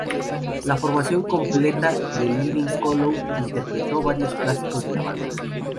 La formación completa de Living Colour interpretó varios clásicos de la banda.